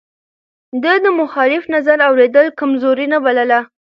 ده د مخالف نظر اورېدل کمزوري نه بلله.